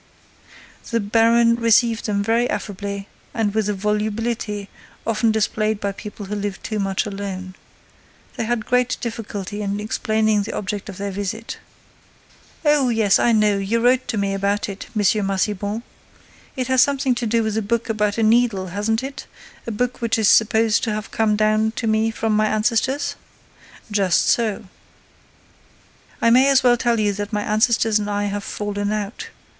The baron received them very affably and with the volubility often displayed by people who live too much alone. They had great difficulty in explaining the object of their visit. "Oh, yes, I know, you wrote to me about it, M. Massiban. It has something to do with a book about a needle, hasn't it, a book which is supposed to have come down to me from my ancestors?" "Just so." "I may as well tell you that my ancestors and I have fallen out.